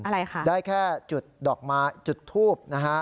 อะไรคะได้แค่จุดดอกไม้จุดทูบนะฮะ